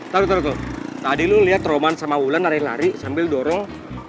taro taro tadi lo liat teroman sama wulan lari lari sambil dorong